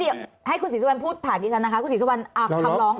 เดี๋ยวให้คุณศรีสุวรรณพูดผ่านดิฉันนะคะคุณศรีสุวรรณคำร้อง